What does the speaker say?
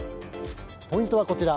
ポイントはこちら。